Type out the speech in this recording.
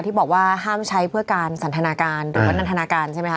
ที่บอกว่าห้ามใช้เพื่อการสันทนาการหรือว่านันทนาการใช่ไหมค